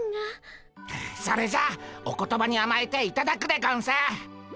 それじゃあお言葉にあまえていただくでゴンス。